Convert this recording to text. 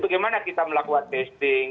bagaimana kita melakukan testing